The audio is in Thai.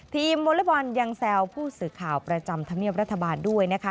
วอเล็กบอลยังแซวผู้สื่อข่าวประจำธรรมเนียบรัฐบาลด้วยนะคะ